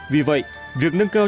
vì vậy việc nâng cao